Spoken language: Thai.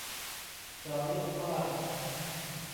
จะเรียกว่า